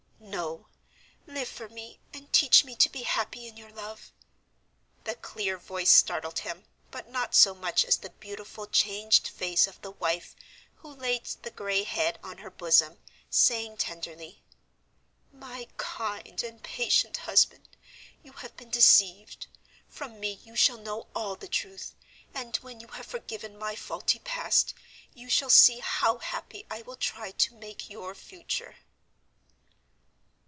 "No, live for me, and teach me to be happy in your love." The clear voice startled him, but not so much as the beautiful changed face of the wife who laid the gray head on her bosom, saying tenderly, "My kind and patient husband, you have been deceived. From me you shall know all the truth, and when you have forgiven my faulty past, you shall see how happy I will try to make your future."